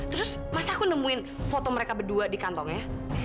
terus masa aku nemuin foto mereka berdua di kantongnya